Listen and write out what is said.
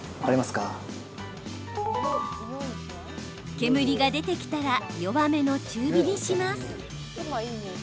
煙が出てきたら弱めの中火にします。